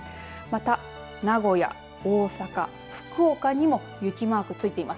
また、名古屋、大阪福岡にも雪マークついています。